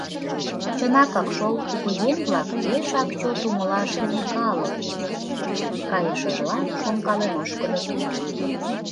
«Чынакак шол, кугыеҥ-влак пешак чот умылаш лийдыме калык улыт», — кайышыжла, шонкален ошкыльо тудо.